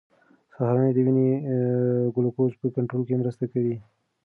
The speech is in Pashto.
سهارنۍ د وینې ګلوکوز په کنټرول کې مرسته کوي.